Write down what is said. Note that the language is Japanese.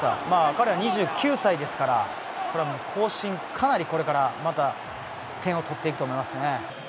彼は、２９歳ですからこれは更新、かなりこれから点を取っていくと思いますね。